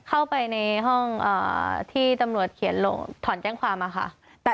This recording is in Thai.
เข้าไปในห้องที่ตำรวจเขียนถอนแจ้งความค่ะ